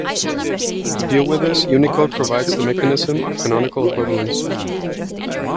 To deal with this, Unicode provides the mechanism of canonical equivalence.